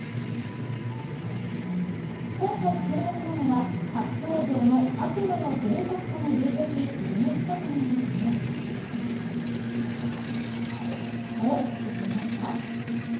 今回注目なのは初登場の悪魔のぜいたくとも言うべきグルメ企画なんですがこれ知っていますか。